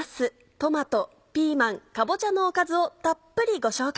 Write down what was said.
トマトピーマンかぼちゃのおかずをたっぷりご紹介。